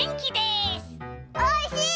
おいしい！